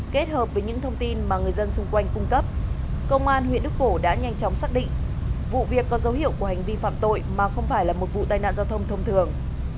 kết hợp với những thông tin mà người dân xung quanh cung cấp công an huyện đức phổ đã nhanh chóng xác định vụ việc có dấu hiệu của hành vi phạm tội mà không phải là một vụ tai nạn giao thông thông thường